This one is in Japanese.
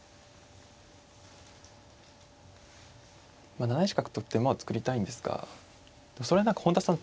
まあ７一角と打って馬を作りたいんですがそれ何か本田さん